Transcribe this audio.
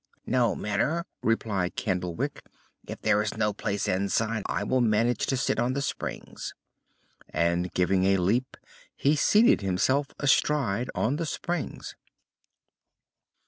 "No matter," replied Candlewick, "if there is no place inside, I will manage to sit on the springs." And, giving a leap, he seated himself astride on the springs.